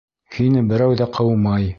Һине берәү ҙә ҡыумай!